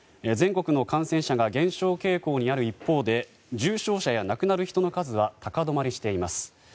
全国の感染者が減少傾向にある中で重症者や亡くなる人の数は高止まりしています。